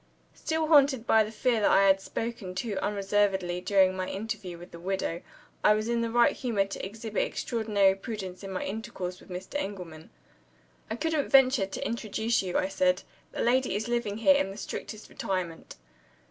Still haunted by the fear that I had spoken too unreservedly during my interview with the widow, I was in the right humor to exhibit extraordinary prudence in my intercourse with Mr. Engelman. "I couldn't venture to introduce you," I said; "the lady is living here in the strictest retirement."